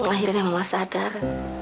akhirnya mama sadar